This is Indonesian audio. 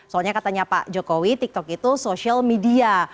soalnya katanya pak jokowi tiktok itu social media